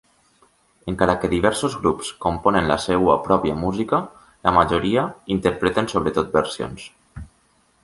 Encara que diversos grups componen la seva pròpia música, la majoria interpreten sobretot versions.